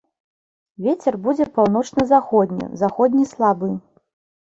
Вецер будзе паўночна-заходні, заходні слабы.